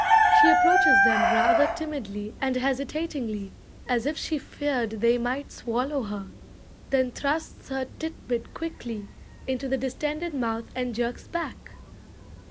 She approaches them rather timidly and hesitatingly, as if she feared they might swallow her, then thrusts her titbit quickly into the distended mouth and jerks back."